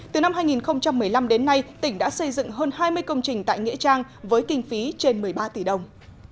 từ năm hai nghìn một mươi năm đến nay tỉnh đã xây dựng hơn hai mươi công trình tại nghĩa trang với kinh phí trên một mươi ba tỷ đồng